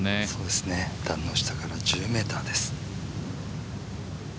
段の下から１０ｍです。